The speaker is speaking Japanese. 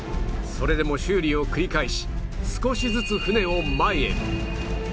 それでも修理を繰り返し少しずつ船を前へ